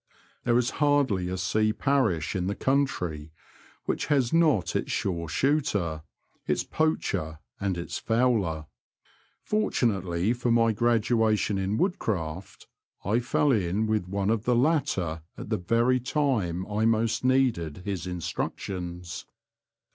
There is hardly a sea parish in the country which has not its shore shooter, its poacher, and its fowler. Fortunately for my graduation in woodcraft I fell in with one of the latter at the very time I most needed his in structions.